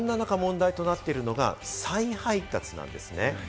こんな中、問題となっているのが再配達なんですね。